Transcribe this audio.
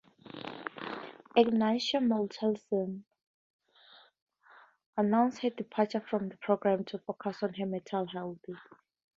Ignacia Michelson announced her departure from the program to focus on her mental health.